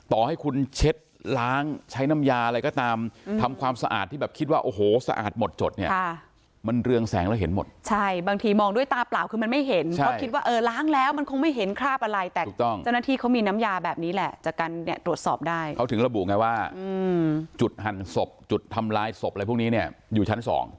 ต่อให้คุณเช็ดล้างใช้น้ำยาอะไรก็ตามทำความสะอาดที่แบบคิดว่าโอ้โหสะอาดหมดจดเนี้ยค่ะมันเรืองแสงแล้วเห็นหมดใช่บางทีมองด้วยตาเปล่าคือมันไม่เห็นใช่เพราะคิดว่าเออล้างแล้วมันคงไม่เห็นคราบอะไรแต่ถูกต้องเจ้าหน้าที่เขามีน้ำยาแบบนี้แหละจากกันเนี้ยตรวจสอบได้เขาถึงระบุไงว่าอืมจ